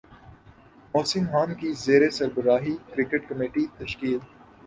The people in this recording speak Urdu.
محسن خان کی زیر سربراہی کرکٹ کمیٹی تشکیل